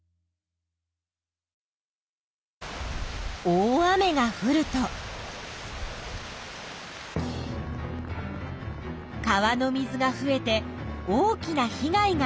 大雨がふると川の水が増えて大きな被害が出ることがある。